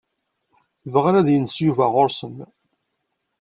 Bɣan ad yens Yuba ɣur-sen.